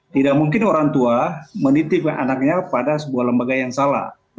tidak mungkin orang tua menitipkan anaknya pada sebuah lembaga yang salah